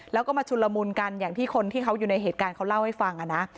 แล้วก็มาชุนละมุนกันอย่างที่คนที่เขาอยู่ในเหตุการณ์เขาเล่าให้ฟังนะ